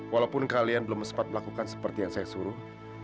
walaupun kalian belum sempat melakukan seperti yang saya suruh